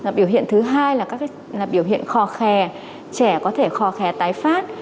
biểu hiện thứ hai là các biểu hiện khó khe trẻ có thể khó khe tái phát